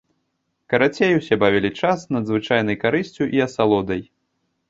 Карацей, усе бавілі час з надзвычайнай карысцю і асалодай.